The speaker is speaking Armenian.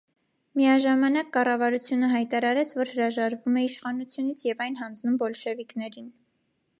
Միաժամանակ կառավարությունը հայտարարեց, որ հրաժարվում է իշխանությունից և այն հանձնում բոլշևիկներին։